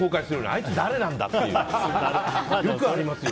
あいつ誰なんだって。